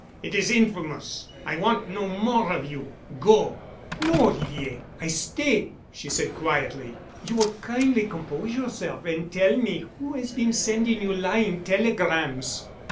It is infamous. I want no more of you. Go." "No, Olivier. I stay," she said quietly. "You will kindly compose yourself and tell me who has been sending you lying telegrams."